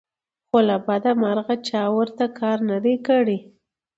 خو له بدمرغه چا ورته کار نه دى کړى